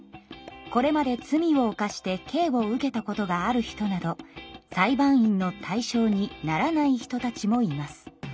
これまで罪を犯して刑を受けたことがある人など裁判員の対象にならない人たちもいます。